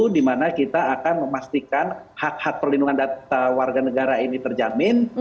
dimana kita akan memastikan hak hak perlindungan data warga negara ini terjamin